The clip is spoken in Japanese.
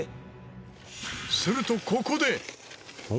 するとここで！